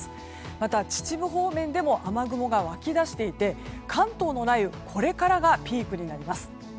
また、秩父方面でも雨雲が湧き出していて関東の雷雨これからがピークになります。